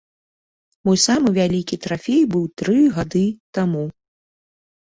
Мой самы вялікі трафей быў тры гады таму.